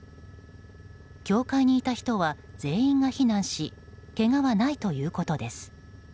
教会にいた人は全員が避難しけがはないということです。